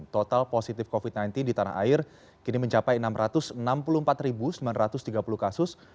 total positif covid sembilan belas di tanah air kini mencapai enam ratus enam puluh empat sembilan ratus tiga puluh kasus